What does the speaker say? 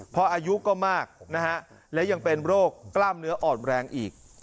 เพราะอายุก็มากนะฮะและยังเป็นโรคกล้ามเนื้ออ่อนแรงอีก